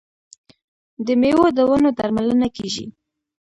د میوو د ونو درملنه کیږي.